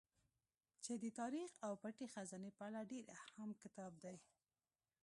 چې د تاريڅ او پټې خزانې په اړه ډېر اهم کتاب دی